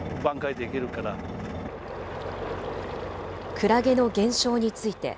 クラゲの減少について。